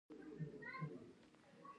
ژبه زموږ فرهنګي شتمني ده.